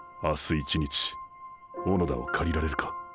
１日小野田を借りられるか。